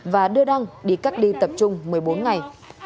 và đưa đăng đi các đi tập trung một mươi bốn ngày